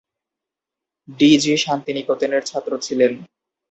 D G শান্তিনিকেতনের ছাত্র ছিলেন।